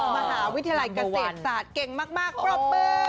อ๋อมหาวิทยาลัยเกษตรศาสตร์เก่งมากปรับเบิร์น